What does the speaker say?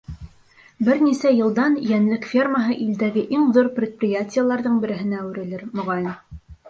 Бер нисә йылдан йәнлек фермаһы илдәге иң ҙур предприятиеларҙың береһенә әүерелер, моғайын.